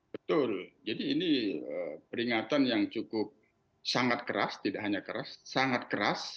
betul jadi ini peringatan yang cukup sangat keras tidak hanya keras sangat keras